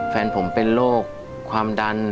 แฟนผมเป็นโรคความดัน